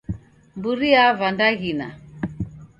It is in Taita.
Mburi yava ndaghina.